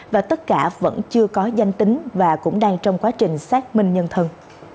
và tất cả vẫn chưa có danh tính và cũng đang trong quá trình xác minh nhân thân